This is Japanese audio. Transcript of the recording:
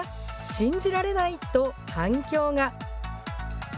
信じられない！と、反響が。